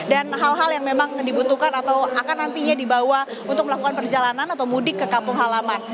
dan hal hal yang memang dibutuhkan atau akan nantinya dibawa untuk melakukan perjalanan atau mudik ke kampung halaman